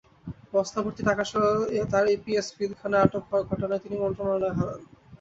বস্তাভর্তি টাকাসহ তাঁর এপিএস পিলখানায় আটক হওয়ার ঘটনায় তিনি মন্ত্রণালয় হারান।